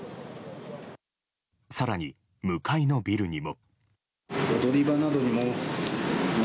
更に、向かいのビルにも。